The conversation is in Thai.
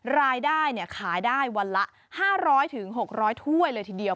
รายได้ขายได้วันละ๕๐๐๖๐๐ถ้วยเลยทีเดียว